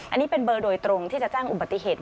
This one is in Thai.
อันนี้เป็นเบอร์โดยตรงที่จะแจ้งอุบัติเหตุ